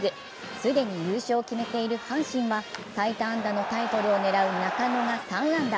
既に優勝を決めている阪神は、最多安打のタイトルを狙う中野が３安打。